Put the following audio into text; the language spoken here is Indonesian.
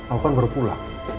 aku kan baru pulang